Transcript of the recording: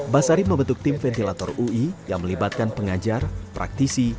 basari membentuk tim ventilator ui yang melibatkan pengajar praktisi